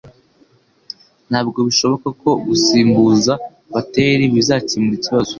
Ntabwo bishoboka ko gusimbuza bateri bizakemura ikibazo